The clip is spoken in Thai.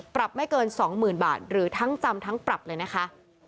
ปรับไม่เกิน๒๐๐๐บาทหรือทั้งจำทั้งปรับเลยนะคะ